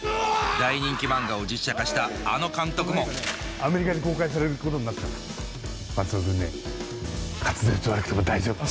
大人気漫画を実写化したあの監督もアメリカで公開されることになったから松戸君ね滑舌悪くても大丈夫。